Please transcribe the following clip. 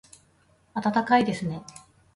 暖かいですね